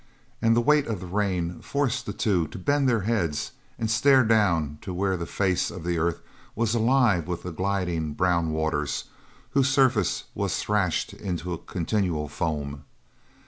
And the weight of the rain forced the two to bend their heads and stare down to where the face of the earth was alive with the gliding, brown waters, whose surface was threshed into a continual foam.